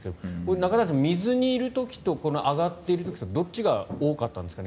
中谷さん、水にいる時とこの上がっている時とどっちが多かったんですかね